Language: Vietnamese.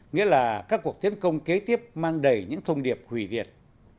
nghĩa là các cuộc tiến công kế tiếp mang đầy những thông điệp hủy diệt